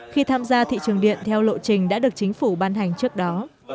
khi tham gia thị trường điện theo lộ trình đã được chính phủ ban hành trước đó